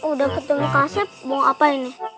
udah ketemu kasep mau apa ini